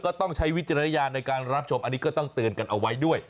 ต้องใช้วิจารณญาณในการรับชมอันนี้ก็ต้องเตือนกันเอาไว้ด้วย